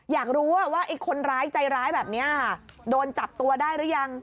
อยากรู้ว่าไอ้คนร้ายใจร้ายแบบนี้ค่ะโดนจับตัวได้หรือยัง